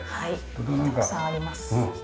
たくさんあります。